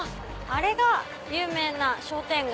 あれが有名な商店街。